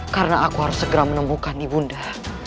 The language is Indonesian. karena aku harus segera menemukan ibu nda